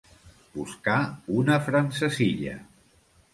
Buscar una francesilla.